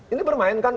ini bermain kan